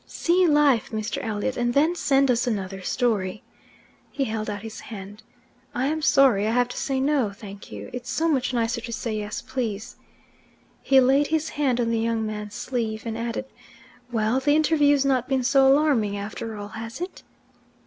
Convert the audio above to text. "See life, Mr. Elliot, and then send us another story." He held out his hand. "I am sorry I have to say 'No, thank you'; it's so much nicer to say, 'Yes, please.'" He laid his hand on the young man's sleeve, and added, "Well, the interview's not been so alarming after all, has it?"